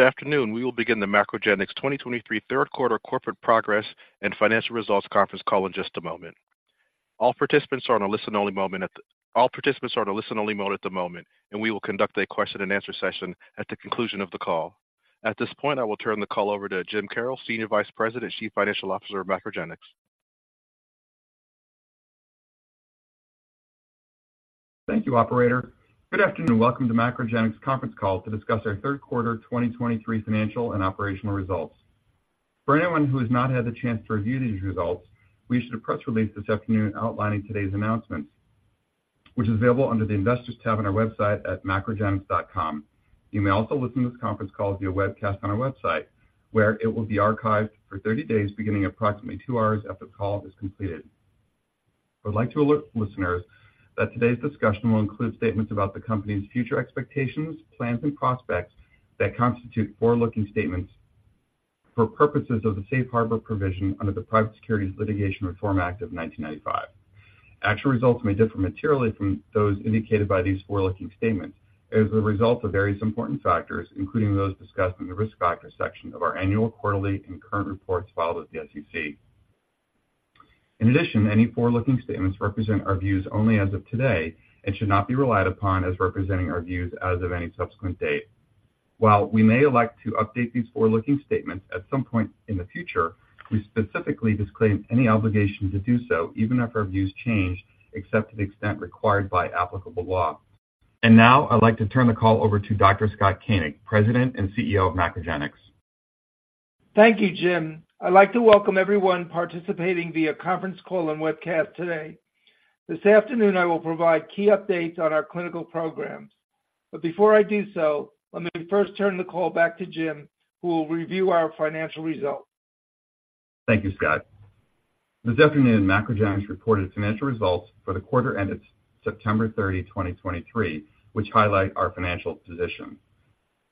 Good afternoon. We will begin the MacroGenics 2023 third quarter corporate progress and financial results conference call in just a moment. All participants are on a listen-only mode at the moment, and we will conduct a question-and-answer session at the conclusion of the call. At this point, I will turn the call over to Jim Carroll, Senior Vice President and Chief Financial Officer of MacroGenics. Thank you, operator. Good afternoon, and welcome to MacroGenics' conference call to discuss our third quarter 2023 financial and operational results. For anyone who has not had the chance to review these results, we issued a press release this afternoon outlining today's announcements, which is available under the Investors tab on our website at macrogenics.com. You may also listen to this conference call via webcast on our website, where it will be archived for 30 days, beginning approximately 2 hours after the call is completed. I would like to alert listeners that today's discussion will include statements about the company's future expectations, plans, and prospects that constitute forward-looking statements for purposes of the safe harbor provision under the Private Securities Litigation Reform Act of 1995. Actual results may differ materially from those indicated by these forward-looking statements as a result of various important factors, including those discussed in the risk factors section of our annual, quarterly, and current reports filed with the SEC. In addition, any forward-looking statements represent our views only as of today and should not be relied upon as representing our views as of any subsequent date. While we may elect to update these forward-looking statements at some point in the future, we specifically disclaim any obligation to do so, even if our views change, except to the extent required by applicable law. Now I'd like to turn the call over to Dr. Scott Koenig, President and CEO of MacroGenics. Thank you, Jim. I'd like to welcome everyone participating via conference call and webcast today. This afternoon, I will provide key updates on our clinical programs. Before I do so, let me first turn the call back to Jim, who will review our financial results. Thank you, Scott. This afternoon, MacroGenics reported financial results for the quarter ended September 30, 2023, which highlight our financial position.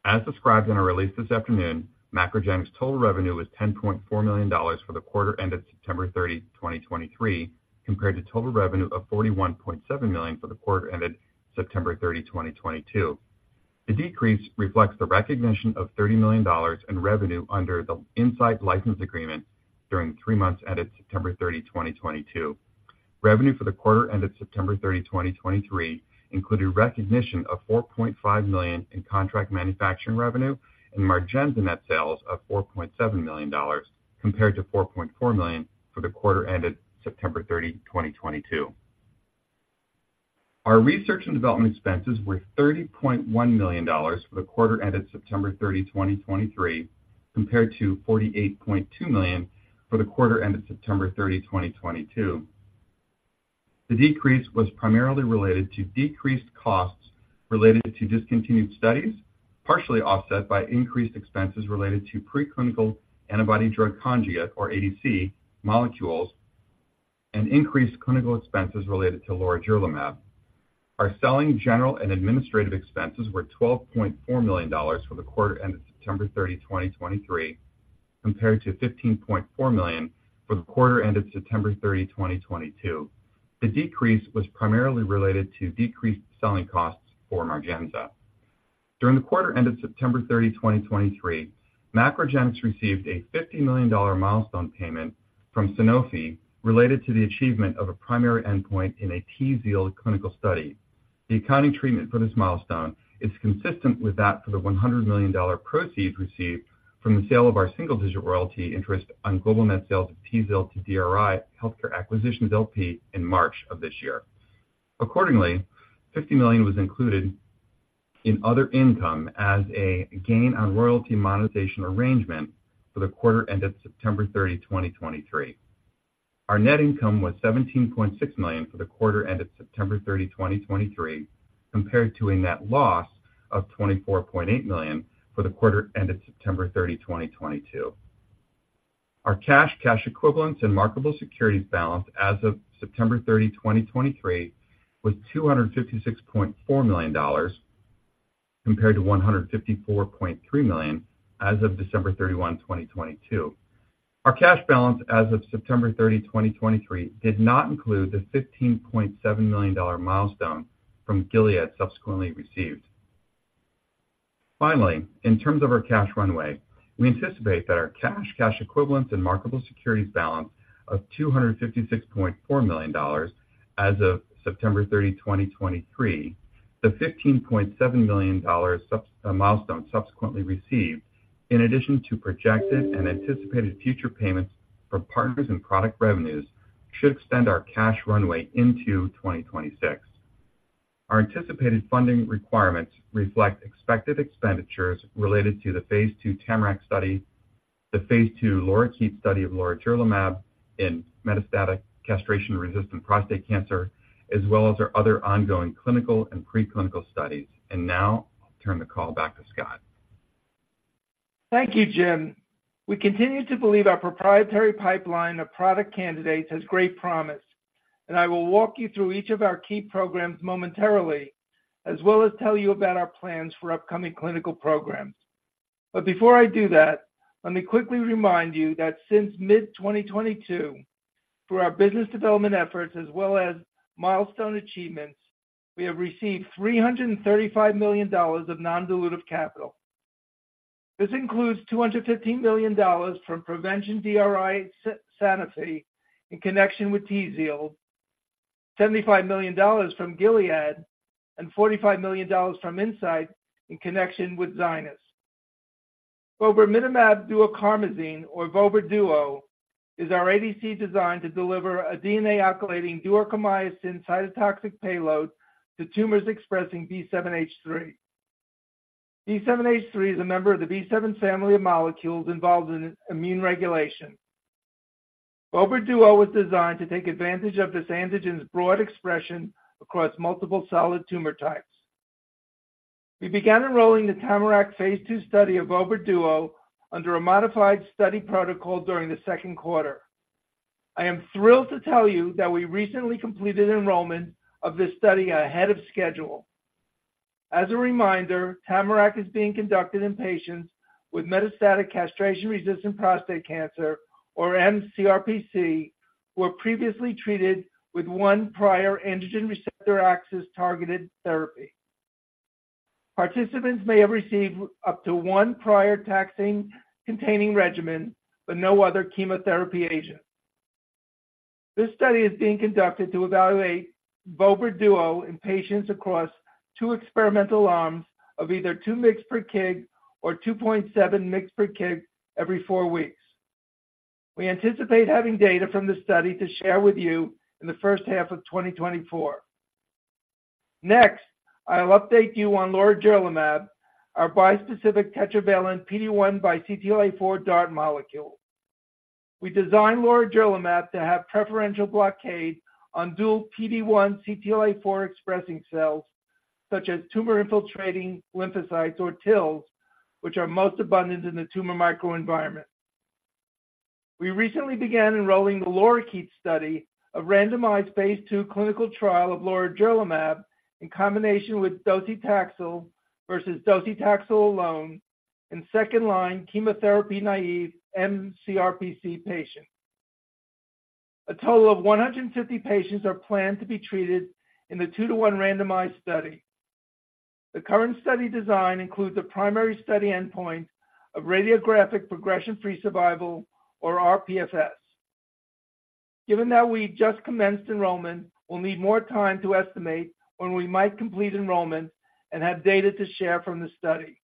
As described in our release this afternoon, MacroGenics' total revenue was $10.4 million for the quarter ended September 30, 2023, compared to total revenue of $41.7 million for the quarter ended September 30, 2022. The decrease reflects the recognition of $30 million in revenue under the Incyte license agreement during the three months ended September 30, 2022. Revenue for the quarter ended September 30, 2023, included recognition of $4.5 million in contract manufacturing revenue and MARGENZA net sales of $4.7 million, compared to $4.4 million for the quarter ended September 30, 2022. Our research and development expenses were $30.1 million for the quarter ended September 30, 2023, compared to $48.2 million for the quarter ended September 30, 2022. The decrease was primarily related to decreased costs related to discontinued studies, partially offset by increased expenses related to preclinical antibody-drug conjugate, or ADC, molecules, and increased clinical expenses related to lorigerlimab. Our selling, general, and administrative expenses were $12.4 million for the quarter ended September 30, 2023, compared to $15.4 million for the quarter ended September 30, 2022. The decrease was primarily related to decreased selling costs for MARGENZA. During the quarter ended September 30, 2023, MacroGenics received a $50 million milestone payment from Sanofi related to the achievement of a primary endpoint in a TZIELD clinical study. The accounting treatment for this milestone is consistent with that for the $100 million proceeds received from the sale of our single-digit royalty interest on global net sales of TZIELD to DRI Healthcare Acquisitions, LP, in March of this year. Accordingly, $50 million was included in other income as a gain on royalty monetization arrangement for the quarter ended September 30, 2023. Our net income was $17.6 million for the quarter ended September 30, 2023, compared to a net loss of $24.8 million for the quarter ended September 30, 2022. Our cash, cash equivalents, and marketable securities balance as of September 30, 2023, was $256.4 million, compared to $154.3 million as of December 31, 2022. Our cash balance as of September 30, 2023, did not include the $15.7 million milestone from Gilead subsequently received. Finally, in terms of our cash runway, we anticipate that our cash, cash equivalents, and marketable securities balance of $256.4 million as of September 30, 2023, the $15.7 million subsequently received milestone, in addition to projected and anticipated future payments from partners and product revenues, should extend our cash runway into 2026. Our anticipated funding requirements reflect expected expenditures related to the phase II TAMARACK study, the phase II LORIKEET study of lorigerlimab in metastatic castration-resistant prostate cancer, as well as our other ongoing clinical and preclinical studies. And now I'll turn the call back to Scott. Thank you, Jim. We continue to believe our proprietary pipeline of product candidates has great promise, and I will walk you through each of our key programs momentarily, as well as tell you about our plans for upcoming clinical programs. But before I do that, let me quickly remind you that since mid-2022 for our business development efforts as well as milestone achievements, we have received $335 million of non-dilutive capital. This includes $215 million from Provention, DRI, Sanofi in connection with TZIELD, $75 million from Gilead, and $45 million from Incyte in connection with ZYNYZ. vobramitamab duocarmazine, vobra duo, is our ADC designed to deliver a DNA alkylating duocarmazine cytotoxic payload to tumors expressing B7-H3. B7-H3 is a member of the B7 family of molecules involved in immune regulation. vobra duo was designed to take advantage of this antigen's broad expression across multiple solid tumor types. We began enrolling the TAMARACK phase II study vobra duo under a modified study protocol during the second quarter. I am thrilled to tell you that we recently completed enrollment of this study ahead of schedule. As a reminder, TAMARACK is being conducted in patients with metastatic castration-resistant prostate cancer, or mCRPC, who were previously treated with one prior androgen receptor axis-targeted therapy. Participants may have received up to one prior taxane-containing regimen, but no other chemotherapy agent. This study is being conducted to vobra duo in patients across two experimental arms of either 2 mg per kg or 2.7 mg per kg every four weeks. We anticipate having data from this study to share with you in the first half of 2024. Next, I'll update you on lorigerlimab, our bispecific tetravalent PD-1 x CTLA-4 DART molecule. We designed lorigerlimab to have preferential blockade on dual PD-1 x CTLA-4 expressing cells, such as tumor-infiltrating lymphocytes or TILs, which are most abundant in the tumor microenvironment. We recently began enrolling the LORIKEET study, a randomized phase II clinical trial of lorigerlimab in combination with docetaxel versus docetaxel alone in second-line chemotherapy-naïve mCRPC patients. A total of 150 patients are planned to be treated in the 2-to-1 randomized study. The current study design includes a primary study endpoint of radiographic progression-free survival or rPFS. Given that we just commenced enrollment, we'll need more time to estimate when we might complete enrollment and have data to share from the study.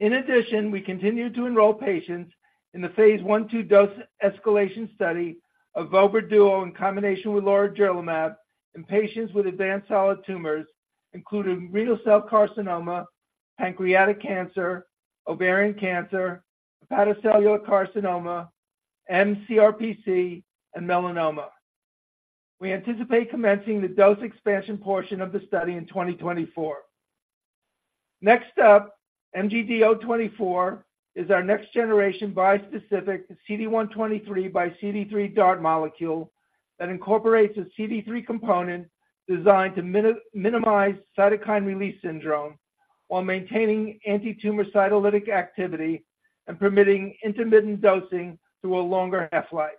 In addition, we continue to enroll patients in the phase I/II dose-escalation study vobra duo in combination with lorigerlimab in patients with advanced solid tumors, including renal cell carcinoma, pancreatic cancer, ovarian cancer, hepatocellular carcinoma, mCRPC, and melanoma. We anticipate commencing the dose expansion portion of the study in 2024. Next up, MGD024 is our next-generation bispecific CD123×CD3 DART molecule that incorporates a CD3 component designed to minimize cytokine release syndrome while maintaining antitumor cytolytic activity and permitting intermittent dosing through a longer half-life.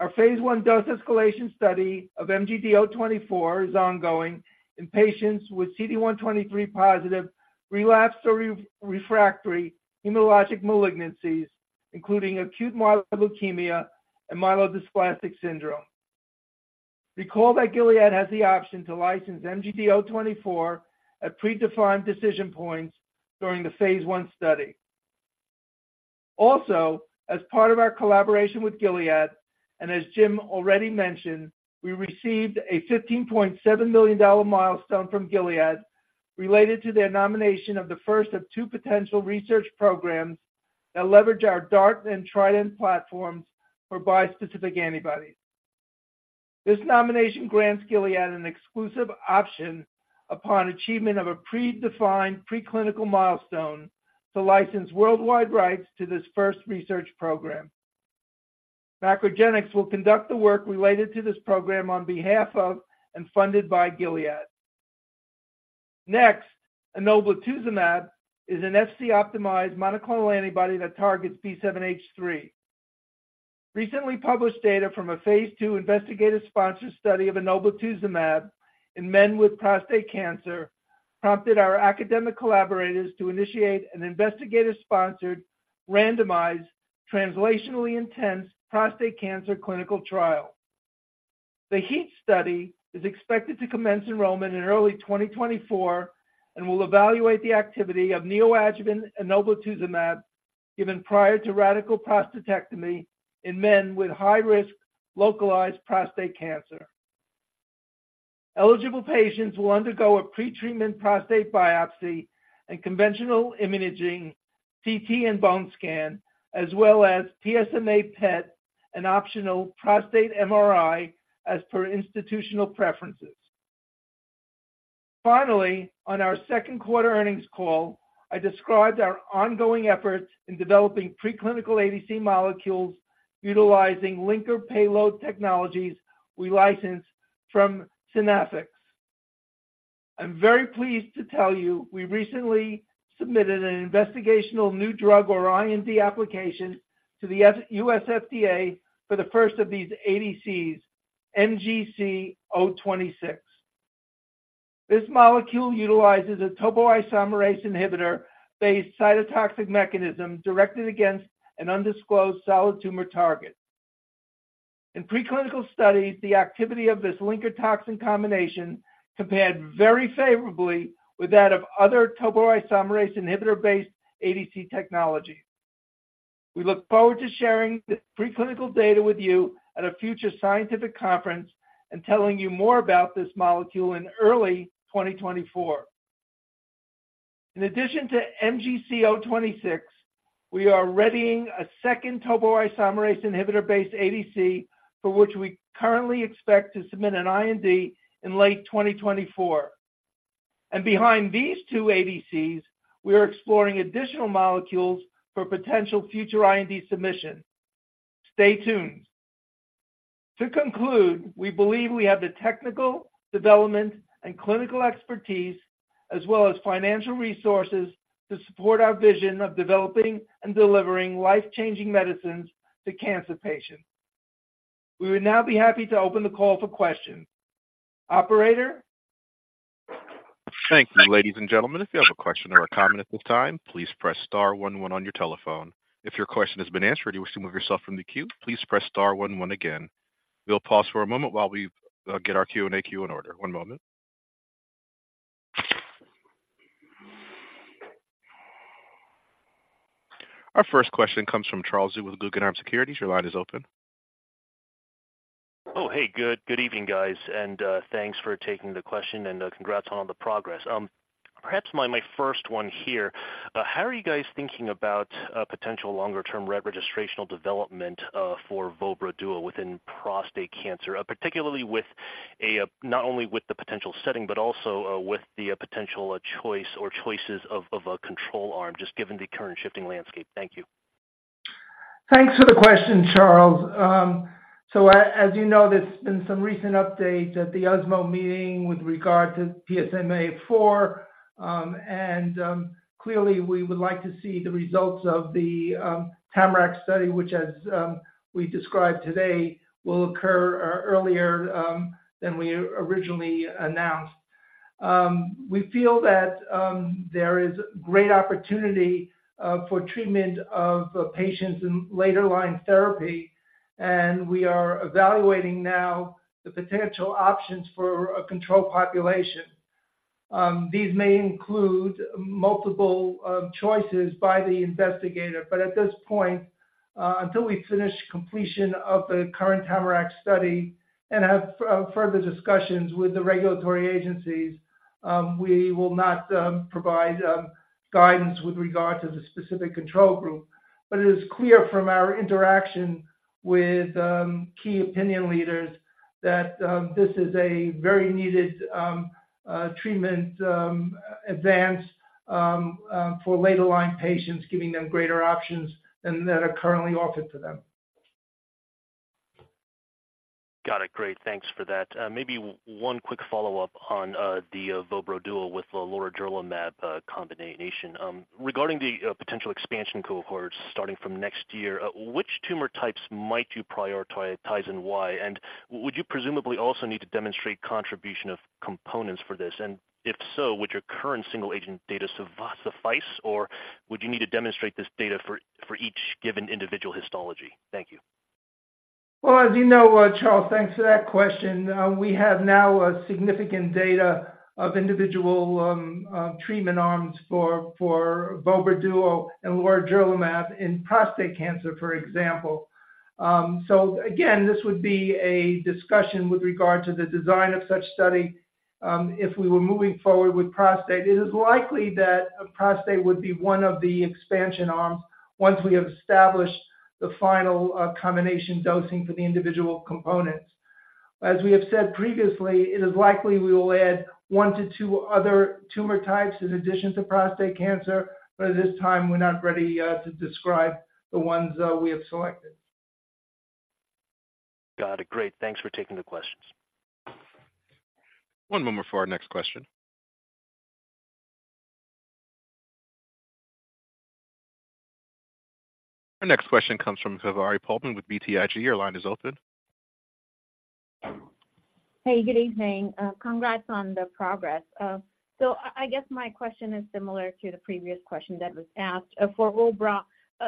Our phase I dose-escalation study of MGD024 is ongoing in patients with CD123 positive, relapsed or refractory hematologic malignancies, including acute myeloid leukemia and myelodysplastic syndrome. Recall that Gilead has the option to license MGD024 at predefined decision points during the phase I study. Also, as part of our collaboration with Gilead, and as Jim already mentioned, we received a $15.7 million milestone from Gilead related to their nomination of the first of two potential research programs that leverage our DART and TRIDENT platforms for bispecific antibodies. This nomination grants Gilead an exclusive option upon achievement of a predefined preclinical milestone to license worldwide rights to this first research program. MacroGenics will conduct the work related to this program on behalf of and funded by Gilead. Next, enoblituzumab is an Fc-optimized monoclonal antibody that targets B7-H3. Recently published data from a phase II investigator-sponsored study of enoblituzumab in men with prostate cancer prompted our academic collaborators to initiate an investigator-sponsored, randomized, translational prostate cancer clinical trial. The HEAT study is expected to commence enrollment in early 2024 and will evaluate the activity of neoadjuvant enoblituzumab given prior to radical prostatectomy in men with high-risk localized prostate cancer. Eligible patients will undergo a pretreatment prostate biopsy and conventional imaging, CT, and bone scan, as well as PSMA PET and optional prostate MRI, as per institutional preferences. Finally, on our second quarter earnings call, I described our ongoing efforts in developing preclinical ADC molecules utilizing linker payload technologies we licensed from Synaffix. I'm very pleased to tell you we recently submitted an investigational new drug or IND application to the U.S. FDA for the first of these ADCs, MGC026. This molecule utilizes a topoisomerase inhibitor-based cytotoxic mechanism directed against an undisclosed solid tumor target. In preclinical studies, the activity of this linker toxin combination compared very favorably with that of other topoisomerase inhibitor-based ADC technology. We look forward to sharing the preclinical data with you at a future scientific conference and telling you more about this molecule in early 2024. In addition to MGC026, we are readying a second topoisomerase inhibitor-based ADC, for which we currently expect to submit an IND in late 2024. Behind these two ADCs, we are exploring additional molecules for potential future IND submissions. Stay tuned. To conclude, we believe we have the technical development and clinical expertise, as well as financial resources to support our vision of developing and delivering life-changing medicines to cancer patients. We would now be happy to open the call for questions. Operator? Thank you, ladies and gentlemen. If you have a question or a comment at this time, please press star one, one on your telephone. If your question has been answered, and you wish to move yourself from the queue, please press star one, one again. We'll pause for a moment while we get our Q&A queue in order. One moment. Our first question comes from Charles Zhu with Guggenheim Securities. Your line is open. Oh, hey, good. Good evening, guys, and, thanks for taking the question, and, congrats on all the progress. Perhaps my, my first one here, how are you guys thinking about, potential longer-term re-registrational development, vobra duo within prostate cancer? Particularly with a, not only with the potential setting but also, with the potential choice or choices of, of a control arm, just given the current shifting landscape. Thank you. Thanks for the question, Charles. As you know, there's been some recent updates at the ESMO meeting with regard to PSMAfore. Clearly, we would like to see the results of the Tamarack study, which, as we described today, will occur earlier than we originally announced. We feel that there is great opportunity for treatment of patients in later-line therapy, and we are evaluating now the potential options for a control population. These may include multiple choices by the investigator, but at this point, until we finish completion of the current Tamarack study and have further discussions with the regulatory agencies, we will not provide guidance with regard to the specific control group. But it is clear from our interaction with key opinion leaders that this is a very needed treatment advance for later-line patients, giving them greater options than that are currently offered to them. Got it. Great. Thanks for that. Maybe one quick follow-up on vobra duo with the lorigerlimab combination. Regarding the potential expansion cohorts starting from next year, which tumor types might you prioritize, and why? And would you presumably also need to demonstrate contribution of components for this? And if so, would your current single-agent data suffice, or would you need to demonstrate this data for each given individual histology? Thank you. Well, as you know, Charles, thanks for that question. We have now a significant data of individual treatment arms vobra duo and lorigerlimab in prostate cancer, for example. So again, this would be a discussion with regard to the design of such study, if we were moving forward with prostate. It is likely that prostate would be one of the expansion arms once we have established the final combination dosing for the individual components. As we have said previously, it is likely we will add one to two other tumor types in addition to prostate cancer, but at this time, we're not ready to describe the ones we have selected. Got it. Great. Thanks for taking the questions. One moment for our next question. Our next question comes from Kaveri Pohlman with BTIG. Your line is open. Hey, good evening. Congrats on the progress. So I guess my question is similar to the previous question that was asked. For Vobro,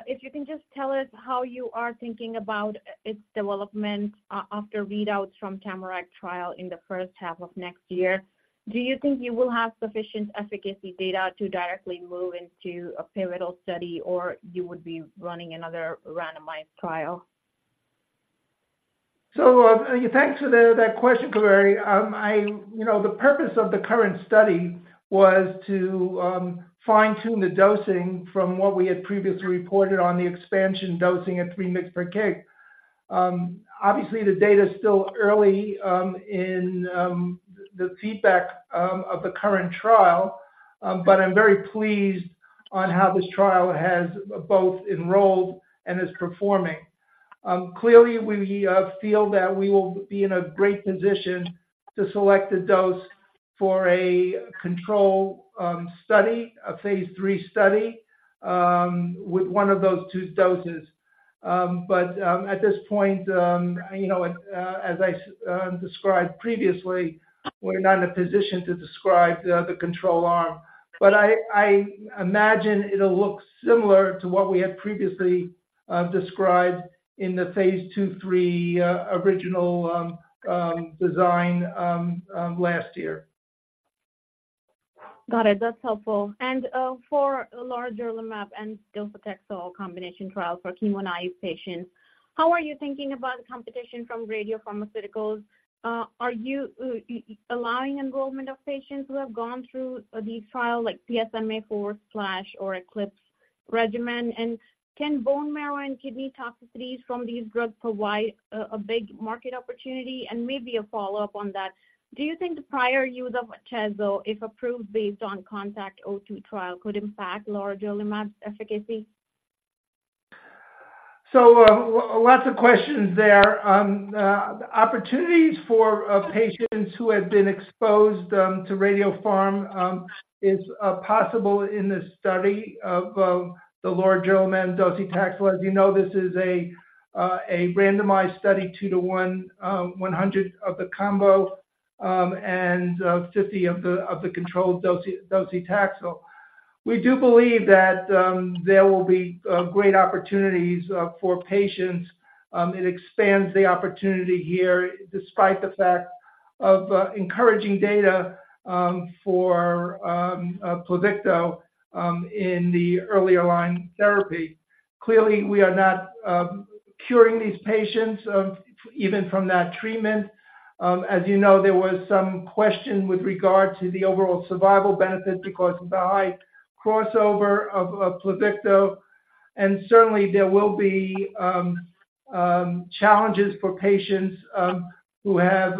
if you can just tell us how you are thinking about its development after readouts from Tamarack trial in the first half of next year. Do you think you will have sufficient efficacy data to directly move into a pivotal study, or you would be running another randomized trial? So, thanks for that question, Kaveri. You know, the purpose of the current study was to fine-tune the dosing from what we had previously reported on the expansion dosing at 3 mg per kg. Obviously, the data is still early in the feedback of the current trial, but I'm very pleased on how this trial has both enrolled and is performing. Clearly, we feel that we will be in a great position to select a dose for a controlled study, a phase III study, with one of those two doses. But at this point, you know, as I described previously, we're not in a position to describe the control arm. But I imagine it'll look similar to what we had previously described in the phase II/III original design last year. Got it. That's helpful. And for lorigerlimab and docetaxel combination trial for chemo-naive patients, how are you thinking about the competition from radiopharmaceuticals? Are you allowing enrollment of patients who have gone through the trial, like PSMAfore or ECLIPSE regimen? And can bone marrow and kidney toxicities from these drugs provide a big market opportunity? And maybe a follow-up on that: Do you think the prior use of atezolizumab, if approved based on CONTACT-02 trial, could impact lorigerlimab's efficacy? So, lots of questions there. Opportunities for patients who have been exposed to radiopharm is possible in this study of the lorigerlimab docetaxel. As you know, this is a randomized study, 2 to 1, 100 of the combo, and 50 of the controlled docetaxel. We do believe that there will be great opportunities for patients. It expands the opportunity here, despite the fact of encouraging data for PLUVICTO in the earlier line therapy. Clearly, we are not curing these patients even from that treatment. As you know, there was some question with regard to the overall survival benefit because of the high crossover of PLUVICTO, and certainly, there will be challenges for patients who have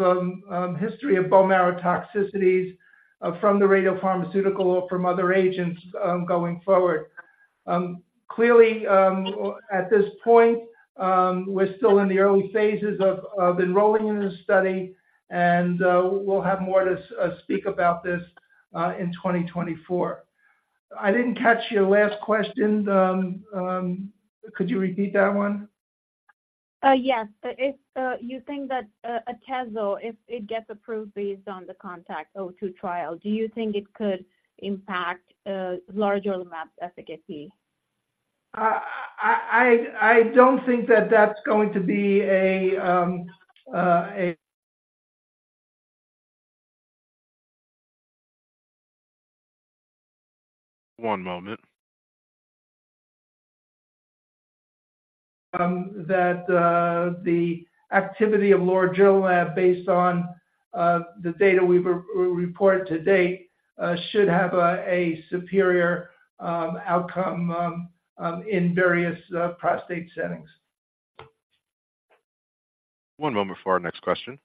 history of bone marrow toxicities from the radiopharmaceutical or from other agents, going forward. Clearly, at this point, we're still in the early phases of enrolling in this study, and we'll have more to speak about this in 2024. I didn't catch your last question. Could you repeat that one? Yes. If you think that atezolizumab, if it gets approved based on the CONTACT-02 trial, do you think it could impact lorigerlimab's efficacy? I don't think that that's going to be a One moment. That the activity of lorigerlimab, based on the data we report to date, should have a superior outcome in various prostate settings. One moment for our next question.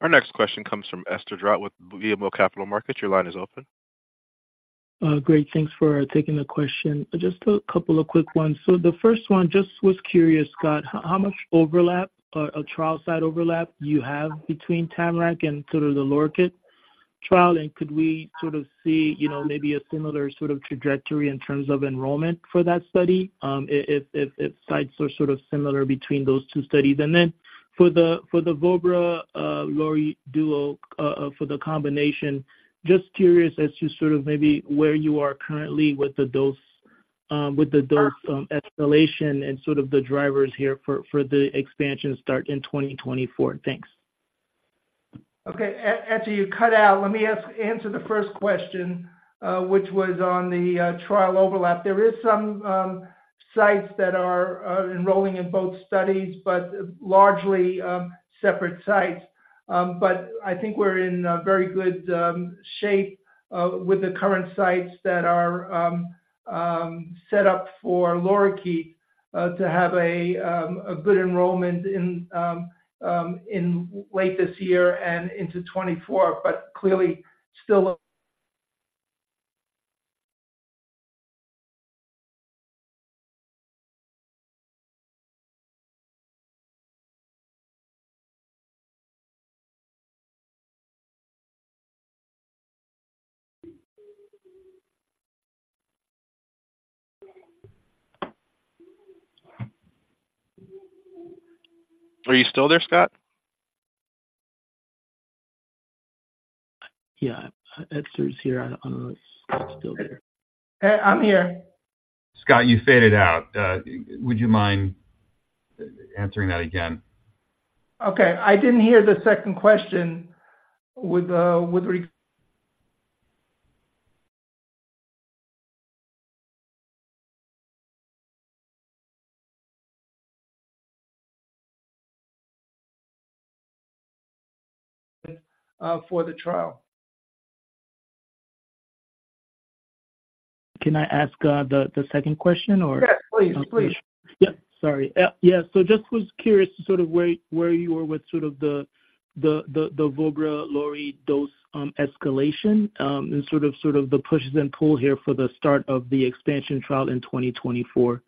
Our next question comes from Etzer Darout with BMO Capital Markets. Your line is open. Great, thanks for taking the question. Just a couple of quick ones. So the first one, just was curious, Scott, how much overlap or a trial site overlap do you have between TAMARACK and sort of the LORIKEET trial, and could we sort of see, you know, maybe a similar sort of trajectory in terms of enrollment for that study, if sites are sort of similar between those two studies? And then for the Vobra Lori duo, for the combination, just curious as to sort of maybe where you are currently with the dose escalation and sort of the drivers here for the expansion start in 2024. Thanks. Okay, Etzer, you cut out. Let me answer the first question, which was on the trial overlap. There is some sites that are enrolling in both studies, but largely separate sites. But I think we're in very good shape with the current sites that are set up for LORIKEET to have a good enrollment in late this year and into 2024. But clearly, still- Are you still there, Scott? Yeah. Etzer's here. I don't know if Scott's still there. Hey, I'm here. Scott, you faded out. Would you mind answering that again? Okay. I didn't hear the second question with regard for the trial. Can I ask the second question or? Yes, please. Please. Yeah, sorry. Yeah. So just was curious to sort of where you were with sort of the vobramitamab duocarmazine lorigerlimab dose escalation and sort of the pushes and pull here for the start of the expansion trial in 2024.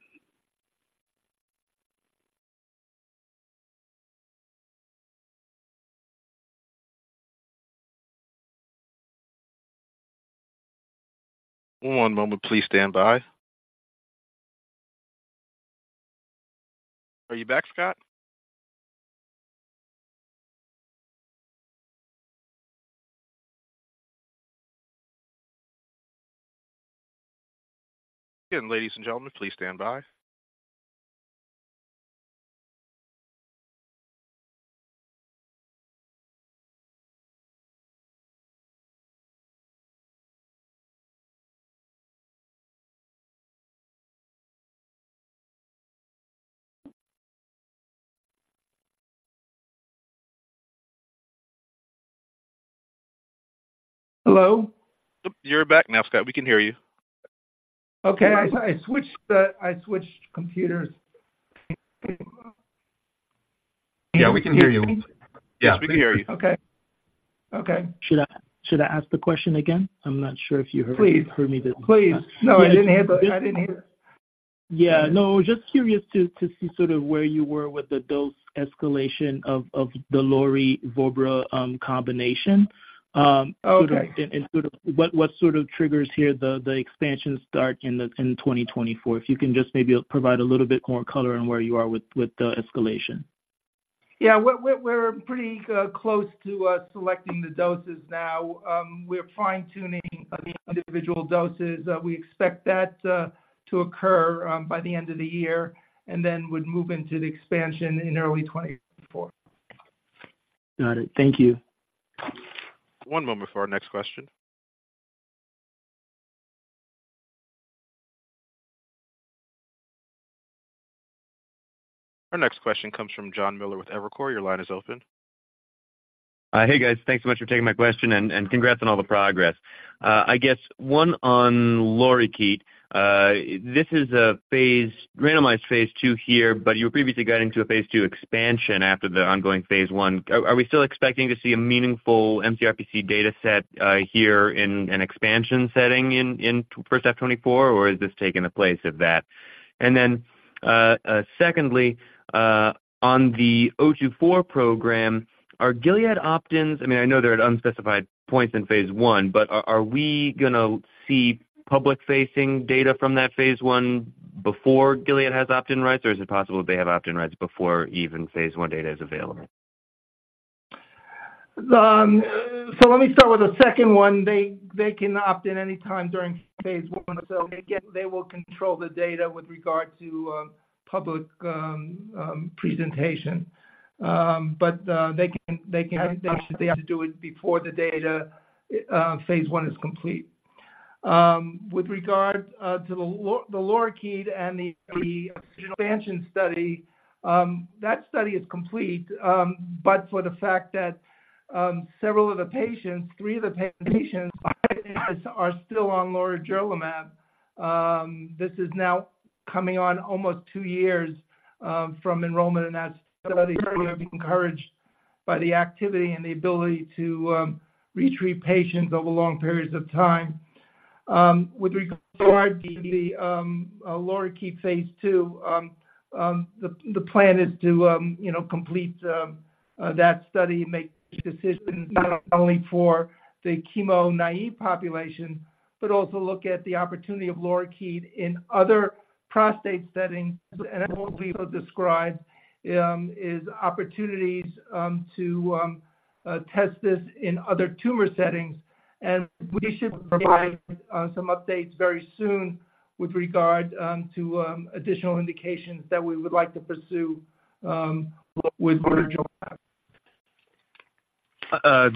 One moment. Please stand by. Are you back, Scott? And ladies and gentlemen, please stand by. Hello? You're back now, Scott. We can hear you. Okay. I switched computers. Yeah, we can hear you. Yeah, we can hear you. Okay. Okay. Should I, should I ask the question again? I'm not sure if you heard me- Please. Heard me this- Please. No, I didn't hear the... I didn't hear. Yeah. No, just curious to see sort of where you were with the dose escalation of the lorigerlimab vobramitamab duocarmazine combination. Okay. Sort of, what sort of triggers here, the expansion start in 2024? If you can just maybe provide a little bit more color on where you are with the escalation. Yeah, we're pretty close to selecting the doses now. We're fine-tuning on the individual doses. We expect that to occur by the end of the year and then would move into the expansion in early 2024. Got it. Thank you. One moment for our next question. Our next question comes from Jon Miller with Evercore. Your line is open. Hey, guys. Thanks so much for taking my question, and congrats on all the progress. I guess one on lorigerlimab. This is a randomized phase II here, but you previously got into a phase II expansion after the ongoing phase I. Are we still expecting to see a meaningful mCRPC data set here in an expansion setting in 1H 2024, or is this taking the place of that? And then, secondly, on the MGD024 program, are Gilead opt-ins—I mean, I know they're at unspecified points in phase I, but are we gonna see public-facing data from that phase I before Gilead has opt-in rights? Or is it possible they have opt-in rights before even phase I data is available? So let me start with the second one. They can opt in any time during phase I, so again, they will control the data with regard to public presentation. But they can have to do it before the data phase I is complete. With regard to the LORIKEET and the expansion study, that study is complete, but for the fact that several of the patients, three of the patients are still on lorigerlimab. This is now coming on almost two years from enrollment, and that study are being encouraged by the activity and the ability to retreat patients over long periods of time. With regard to the LORIKEET phase II, the plan is to, you know, complete that study and make decisions not only for the chemo-naive population but also look at the opportunity of LORIKEET in other prostate settings. And what we will describe is opportunities to test this in other tumor settings, and we should provide some updates very soon with regard to additional indications that we would like to pursue with lorigerlimab.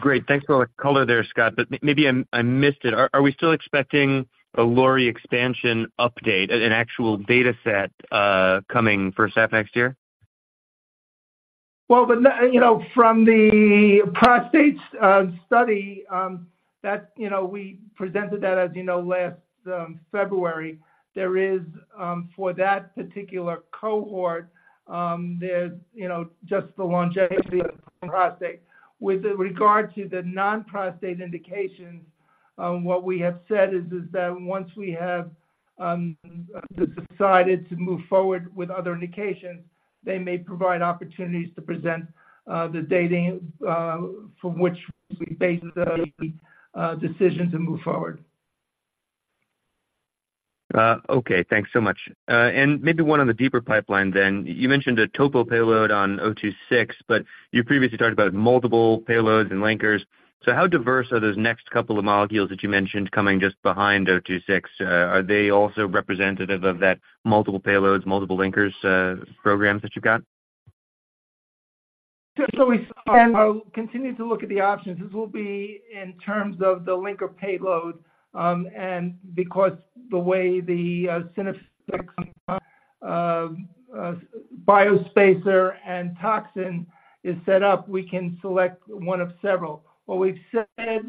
Great. Thanks for all the color there, Scott, but maybe I missed it. Are we still expecting a lorigerlimab expansion update, an actual data set, coming first half next year? Well, you know, from the prostate study that, you know, we presented that, as you know, last February. There is, for that particular cohort, there's, you know, just the longevity of the prostate. With regard to the non-prostate indications, what we have said is that once we have decided to move forward with other indications, they may provide opportunities to present the data from which we base the decision to move forward. Okay, thanks so much. And maybe one on the deeper pipeline then. You mentioned a topo payload on MGC026, but you previously talked about multiple payloads and linkers. So how diverse are those next couple of molecules that you mentioned coming just behind MGC026? Are they also representative of that multiple payloads, multiple linkers, programs that you've got? Typically, and I'll continue to look at the options. This will be in terms of the linker payload, and because the way the Synaffix spacer and toxin is set up, we can select one of several. What we've said,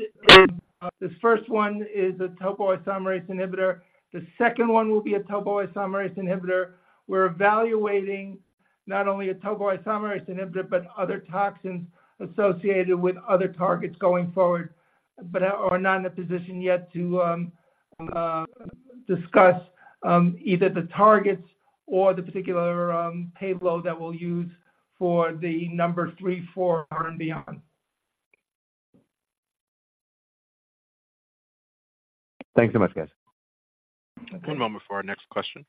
the first one is a topoisomerase inhibitor. The second one will be a topoisomerase inhibitor. We're evaluating not only a topoisomerase inhibitor, but other toxins associated with other targets going forward, but are not in a position yet to discuss either the targets or the particular payload that we'll use for the number three, four, and beyond. Thanks so much, guys. One moment before our next question.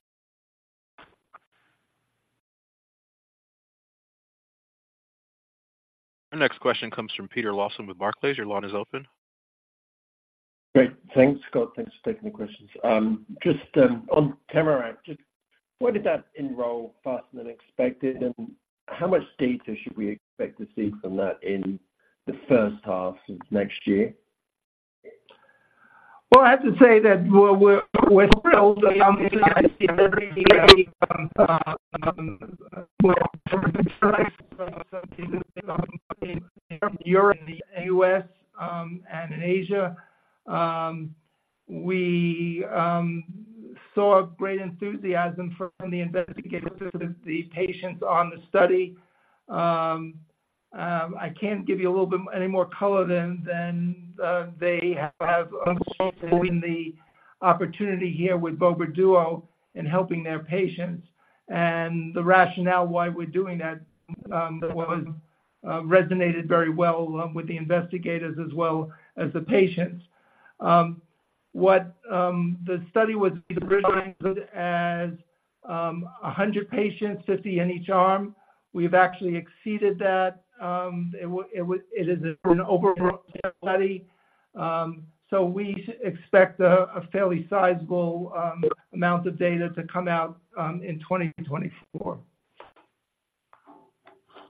Our next question comes from Peter Lawson with Barclays. Your line is open. Great. Thanks, Scott. Thanks for taking the questions. Just, on TAMARACK, just why did that enroll faster than expected, and how much data should we expect to see from that in the first half of next year? Well, I have to say that we're thrilled in Europe, the U.S., and in Asia. We saw great enthusiasm from the investigators, the patients on the study. I can't give you a little bit any more color than they have in the opportunity here vobra duo in helping their patients. And the rationale why we're doing that resonated very well with the investigators as well as the patients. The study was originally as 100 patients, 50 in each arm. We've actually exceeded that. It is an overall study. So we expect a fairly sizable amount of data to come out in 2024.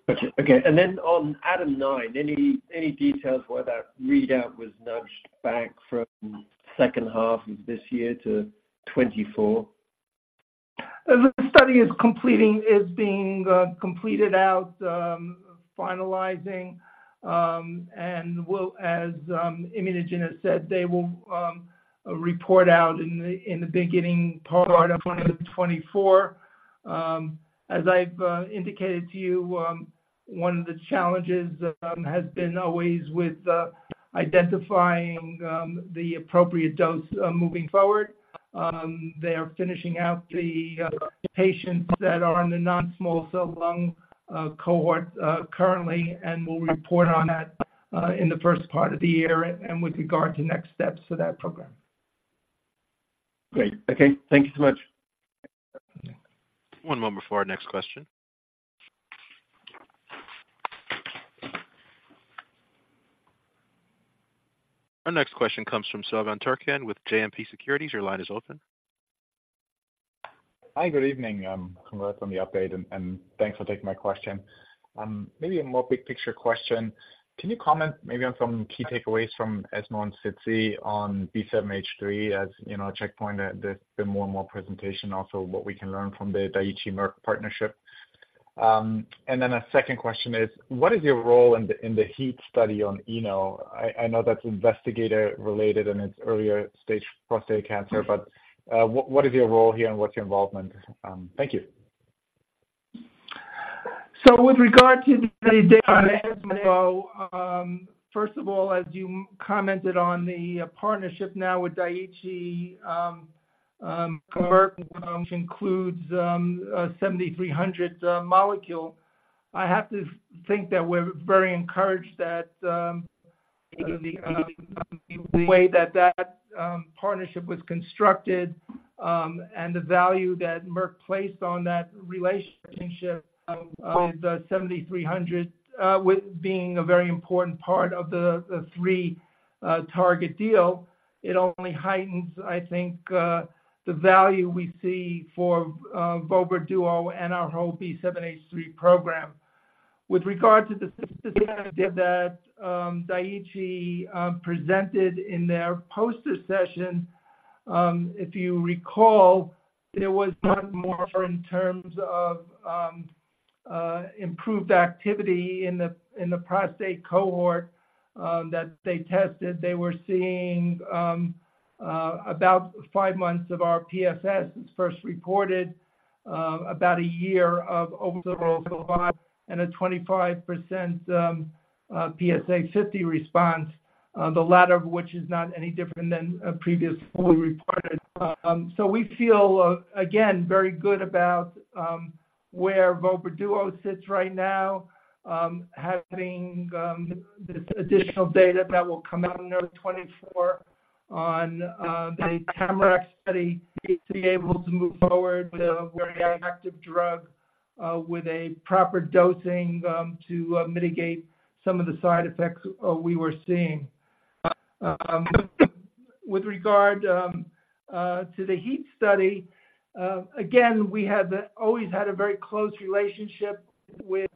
Got you. Okay, and then on ADAM9, any details why that readout was nudged back from second half of this year to 2024? The study is completing, is being completed out, finalizing, and will, as ImmunoGen has said, they will report out in the beginning part of 2024. As I've indicated to you, one of the challenges has been always with identifying the appropriate dose moving forward. They are finishing out the patients that are on the non-small cell lung cohort currently, and we'll report on that in the first part of the year and with regard to next steps for that program. Great. Okay, thank you so much. One moment before our next question. Our next question comes from Silvan Türkcan with JMP Securities. Your line is open. Hi, good evening, comment on the update, and thanks for taking my question. Maybe a more big-picture question. Can you comment maybe on some key takeaways from ESMO and SITC on B7-H3, as you know, checkpoint, there's been more and more presentation, also what we can learn from the Daiichi Merck partnership? And then a second question is: What is your role in the, in the HEAT study on eno? I know that's investigator-related, and it's earlier stage prostate cancer, but, what is your role here, and what's your involvement? Thank you. So with regard to the data, first of all, as you commented on the partnership now with Daiichi, includes, 7300 molecule, I have to think that we're very encouraged that, the way that that, partnership was constructed, and the value that Merck placed on that relationship, with the 7300, with being a very important part of the, the three-target deal, it only heightens, I think, the value we see vobra duo and our whole B7-H3 program. With regard to the data that, Daiichi, presented in their poster session, if you recall, it was not more in terms of, improved activity in the, in the prostate cohort, that they tested. They were seeing about 5 months of rPFS first reported about 1 year of overall and a 25% PSA50 response, the latter of which is not any different than previously reported. So we feel again very good about vobra duo sits right now, having this additional data that will come out in 2024 on the TAMARACK study to be able to move forward with a very active drug with a proper dosing to mitigate some of the side effects we were seeing. With regard to the HEAT study, again we have always had a very close relationship with—we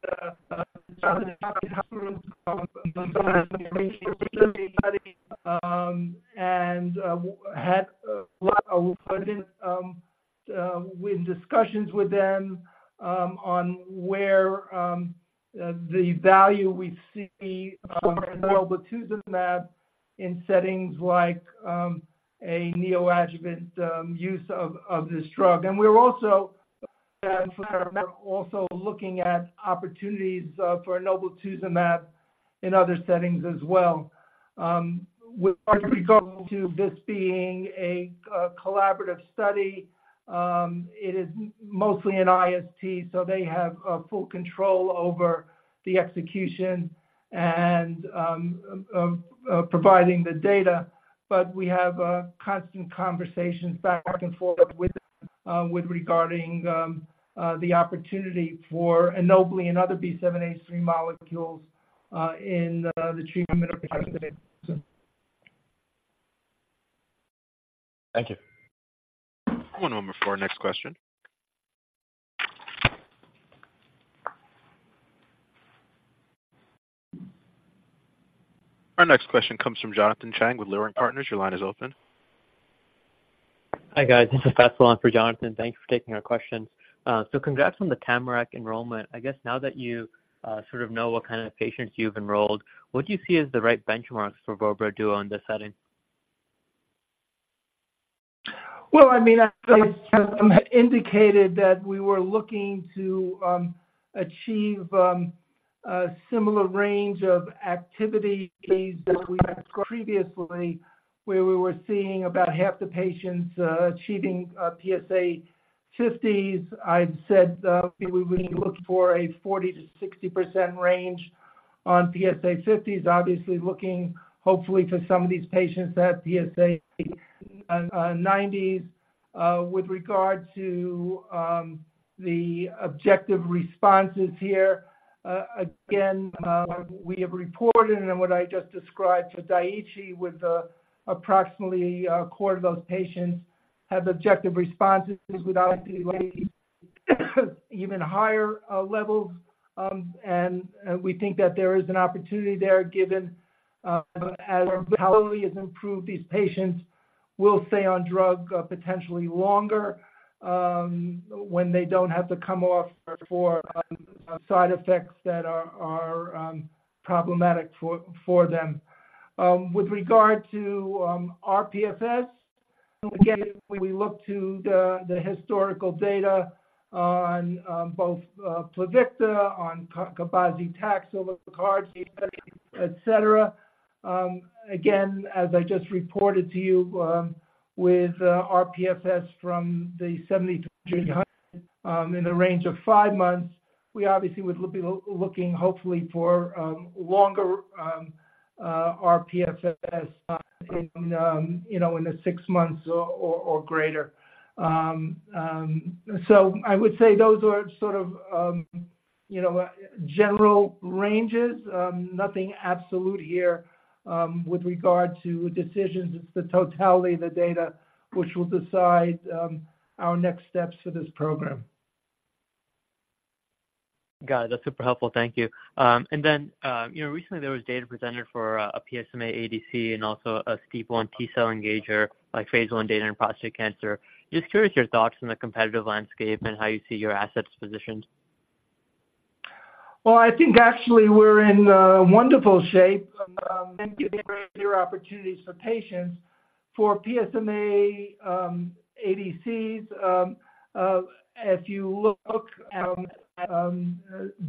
had a lot of confidence with discussions with them on where the value we see for enoblituzumab in settings like a neoadjuvant use of this drug. And we're also looking at opportunities for enoblituzumab in other settings as well. With regard to this being a collaborative study, it is mostly an IST, so they have full control over the execution and of providing the data, but we have constant conversations back and forth with regarding the opportunity for enoblituzumab and other B7-H3 molecules in the treatment of prostate cancer. Thank you. One moment for our next question. Our next question comes from Jonathan Chang with Leerink Partners. Your line is open. Hi, guys. This is Faisal Khurshid for Jonathan Chang. Thanks for taking our question. So congrats on the Tamarack enrollment. I guess now that you sort of know what kind of patients you've enrolled, what do you see as the right for vobra duo in this setting? Well, I mean, I indicated that we were looking to achieve a similar range of activity as we had previously, where we were seeing about half the patients achieving PSA50. I'd said we would look for a 40%-60% range on PSA50, obviously looking hopefully to some of these patients at PSA90. With regard to the objective responses here, again, we have reported and what I just described to Daiichi, with approximately a quarter of those patients have objective responses with obviously even higher levels, and we think that there is an opportunity there, given as quality has improved, these patients will stay on drug potentially longer when they don't have to come off for side effects that are problematic for them. With regard to rPFS, again, we look to the historical data on both PLUVICTO, on cabazitaxel, CARD, et cetera. Again, as I just reported to you, with rPFS from the 7300 in the range of five months, we obviously would be looking hopefully for longer rPFS in, you know, in the six months or or greater. So I would say those are sort of, you know, general ranges. Nothing absolute here with regard to decisions. It's the totality of the data which will decide our next steps for this program. Got it. That's super helpful. Thank you. And then, you know, recently there was data presented for a PSMA ADC and also a T cell engager, like phase I data in prostate cancer. Just curious your thoughts on the competitive landscape and how you see your assets positioned? Well, I think actually we're in wonderful shape, your opportunities for patients. For PSMA, ADCs, if you look at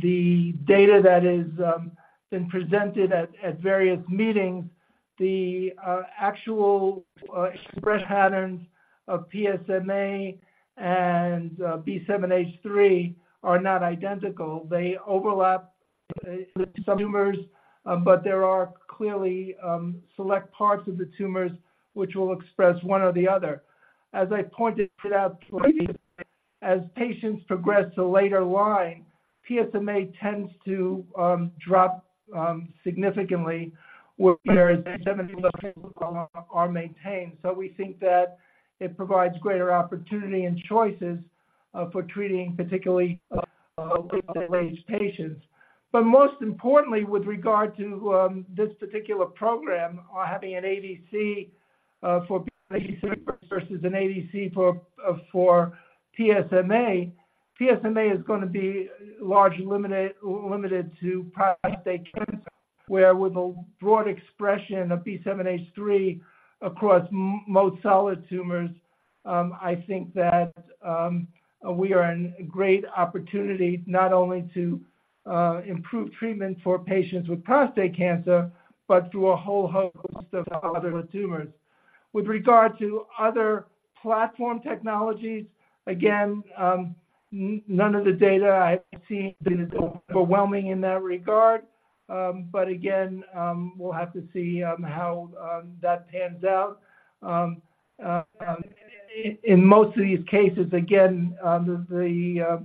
the data that is been presented at various meetings, the actual express patterns of PSMA and B7-H3 are not identical. They overlap some tumors, but there are clearly select parts of the tumors which will express one or the other. As I pointed it out, as patients progress to later line, PSMA tends to drop significantly, whereas are maintained. So we think that it provides greater opportunity and choices for treating particularly aged patients. But most importantly, with regard to this particular program, having an ADC versus an ADC for PSMA, PSMA is gonna be largely limited to prostate cancer, where with a broad expression of B7-H3 across most solid tumors, I think that we are in great opportunity not only to improve treatment for patients with prostate cancer, but through a whole host of other tumors. With regard to other platform technologies, again, none of the data I've seen is overwhelming in that regard, but again, we'll have to see how that pans out. In most of these cases, again, the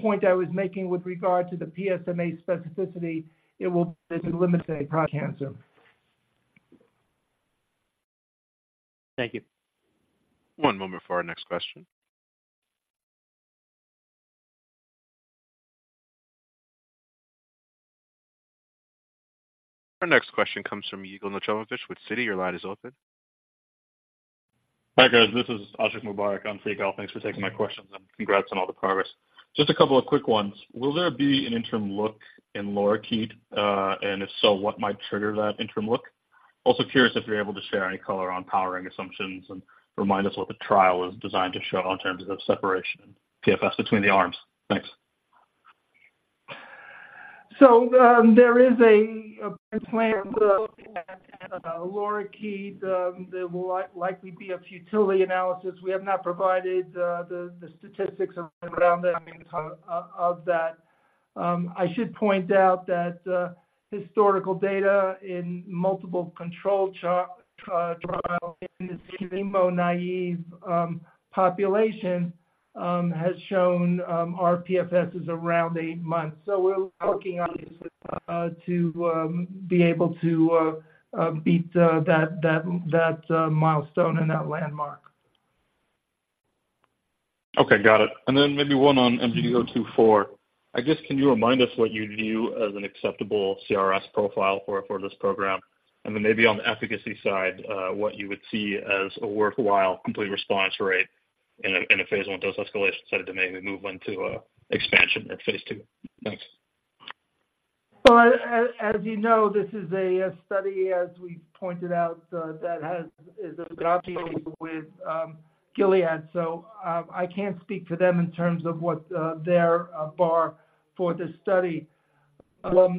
point I was making with regard to the PSMA specificity, it will be limited to prostate cancer. Thank you. One moment for our next question. Our next question comes from Yigal Nochomovitz with Citi. Your line is open. Hi, guys. This is Ashiq Mubarack on Citi. Thanks for taking my questions, and congrats on all the progress. Just a couple of quick ones. Will there be an interim look in LORIKEET? And if so, what might trigger that interim look? Also curious if you're able to share any color on powering assumptions, and remind us what the trial is designed to show in terms of separation and PFS between the arms. Thanks. So, there is a plan looking at LORIKEET. There will likely be a futility analysis. We have not provided the statistics around that, I mean, of that. I should point out that historical data in multiple control trials in the chemo-naive population has shown our PFS is around 8 months, so we're working on to be able to beat that milestone and that landmark. Okay, got it. And then maybe one on MGD024. I guess, can you remind us what you view as an acceptable CRS profile for, for this program? And then maybe on the efficacy side, what you would see as a worthwhile complete response rate in a phase I dose escalation study to maybe move on to, expansion in phase II. Thanks. Well, as you know, this is a study, as we pointed out, that has—is associated with Gilead, so I can't speak to them in terms of what their bar for this study.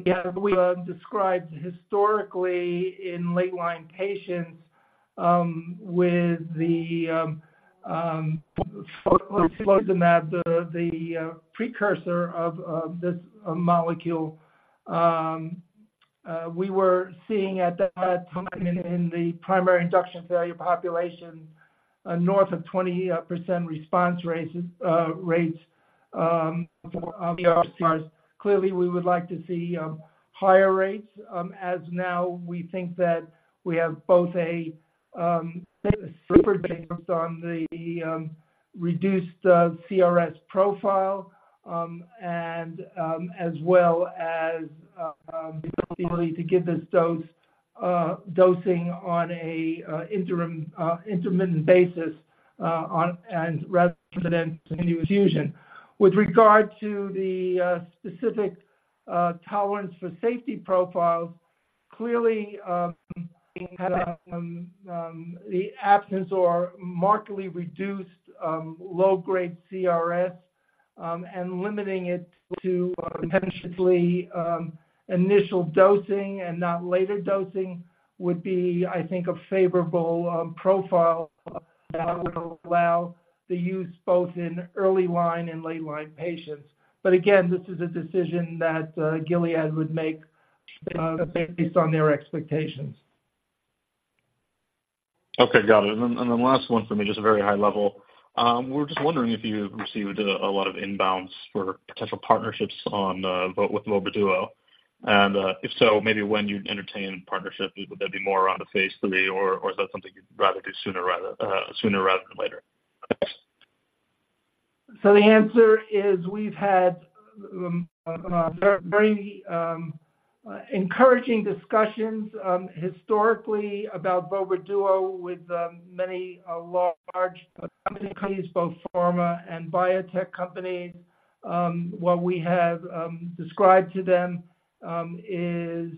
Yeah, we described historically in late line patients with the precursor of this molecule. We were seeing at that time in the primary induction failure population north of 20% response rates for CRS. Clearly, we would like to see higher rates as now we think that we have both a super base on the reduced CRS profile and as well as the ability to give this dosing on a interim intermittent basis on and rather than continuous infusion. With regard to the specific tolerance for safety profiles, clearly, the absence or markedly reduced low-grade CRS, and limiting it to intentionally initial dosing and not later dosing would be, I think, a favorable profile that would allow the use both in early line and late line patients. But again, this is a decision that Gilead would make based on their expectations. Okay, got it. And then, the last one for me, just a very high level. We're just wondering if you've received a lot of inbounds for potential partnerships on with vobra duo, and if so, maybe when you'd entertain partnerships, would that be more on a phase III, or is that something you'd rather do sooner rather than later? The answer is we've had very encouraging discussions historically about vobra duo with many large companies, both pharma and biotech companies. What we have described to them is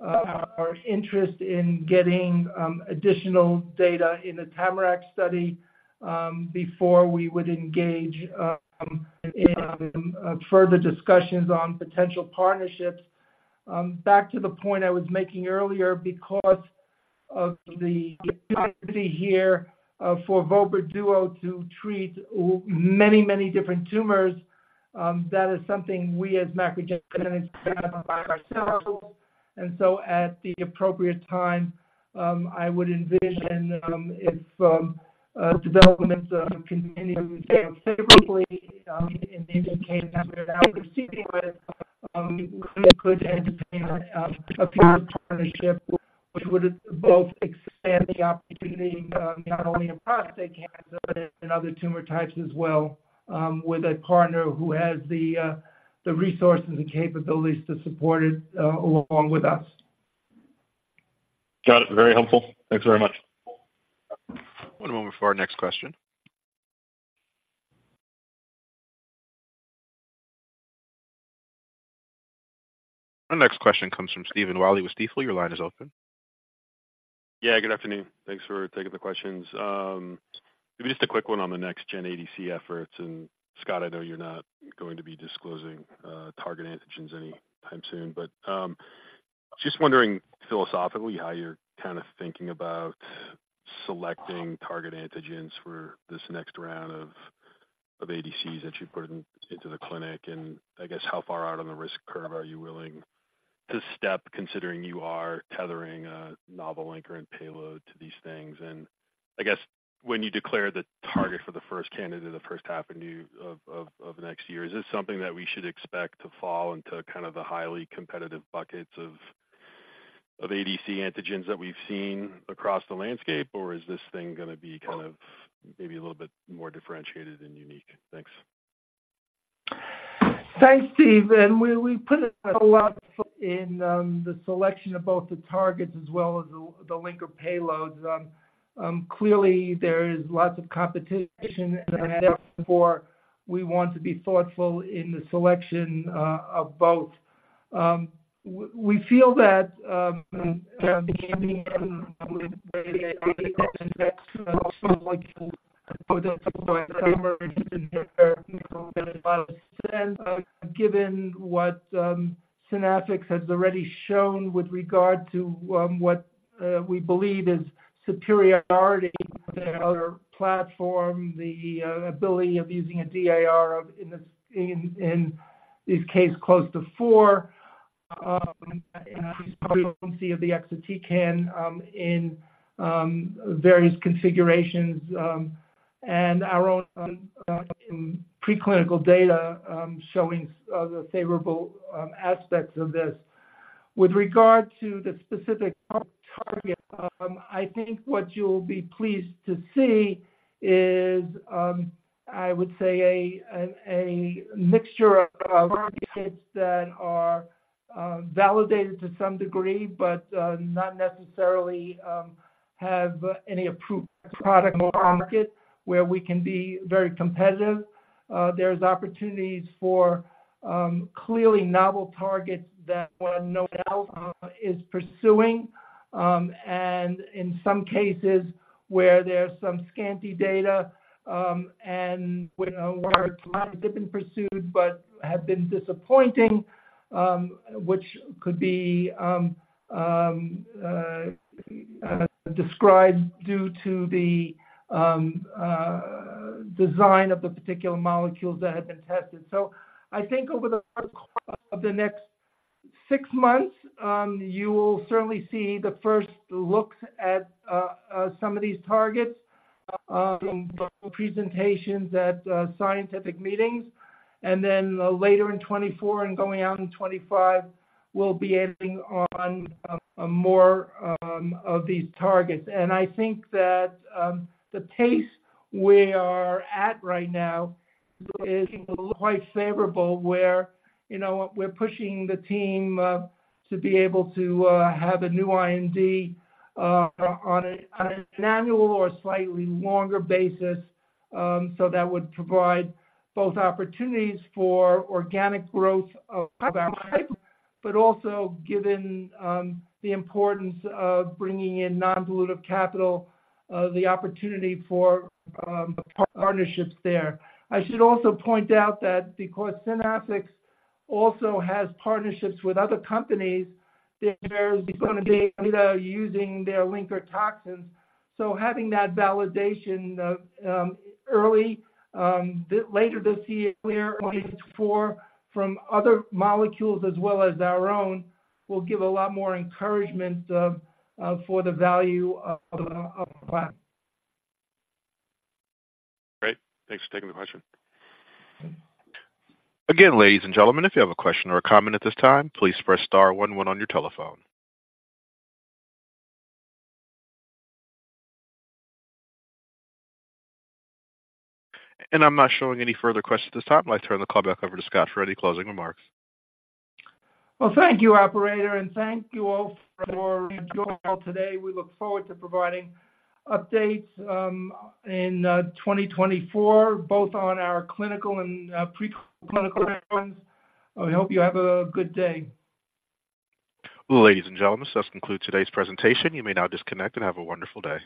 our interest in getting additional data in the TAMARACK study before we would engage in further discussions on potential partnerships. Back to the point I was making earlier, because of the opportunity here for vobra duo to treat many, many different tumors, that is something we as MacroGenics by ourselves. And so at the appropriate time, I would envision, if developments continue to fail typically, and indicate that we're proceeding with, we could entertain a partnership which would both expand the opportunity, not only in prostate cancer but in other tumor types as well, with a partner who has the, the resources and capabilities to support it, along with us. Got it. Very helpful. Thanks very much. One moment before our next question. Our next question comes from Stephen Willey with Stifel. Your line is open. Yeah, good afternoon. Thanks for taking the questions. Maybe just a quick one on the next-gen ADC efforts. And Scott, I know you're not going to be disclosing target antigens any time soon, but just wondering philosophically, how you're kind of thinking about selecting target antigens for this next round of ADCs that you put into the clinic. And I guess how far out on the risk curve are you willing to step, considering you are tethering a novel anchor and payload to these things? When you declare the target for the first candidate in the first half of next year, is this something that we should expect to fall into kind of the highly competitive buckets of ADC antigens that we've seen across the landscape? Or is this thing gonna be kind of maybe a little bit more differentiated and unique? Thanks. Thanks, Steve. We put a lot in the selection of both the targets as well as the linker payloads. Clearly, there is lots of competition, and therefore, we want to be thoughtful in the selection of both. We feel that the antigen, and also like given what Synaffix has already shown with regard to what we believe is superiority to other platform, the ability of using a DAR of, in this case, close to 4, increase potency of the exatecan in various configurations, and our own in preclinical data showing the favorable aspects of this. With regard to the specific target, I think what you'll be pleased to see is, I would say, a mixture of targets that are validated to some degree, but not necessarily have any approved product on market where we can be very competitive. There's opportunities for clearly novel targets that no one else is pursuing. And in some cases where there's some scanty data, and where a lot have been pursued but have been disappointing, which could be described due to the design of the particular molecules that have been tested. So I think over the course of the next six months, you will certainly see the first looks at some of these targets from presentations at scientific meetings, and then later in 2024 and going out in 2025, we'll be adding on more of these targets. I think that the pace we are at right now is quite favorable, where, you know, we're pushing the team to be able to have a new IND on an annual or slightly longer basis. So that would provide both opportunities for organic growth of our pipeline, but also given the importance of bringing in non-dilutive capital, the opportunity for partnerships there. I should also point out that because Synaffix also has partnerships with other companies, there's going to be using their linker toxins. Having that validation early, later this year 2024, from other molecules as well as our own, will give a lot more encouragement for the value of the platform. Great. Thanks for taking the question. Again, ladies and gentlemen, if you have a question or a comment at this time, please press star one one on your telephone. And I'm not showing any further questions at this time. I'd like to turn the call back over to Scott for any closing remarks. Well, thank you, operator, and thank you all for joining us today. We look forward to providing updates in 2024, both on our clinical and preclinical programs. I hope you have a good day. Ladies and gentlemen, this concludes today's presentation. You may now disconnect and have a wonderful day.